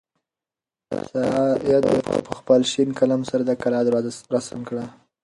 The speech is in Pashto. سعید په خپل شین قلم سره د کلا دروازه رسم کړه.